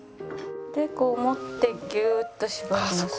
こう持ってギューッと絞ります。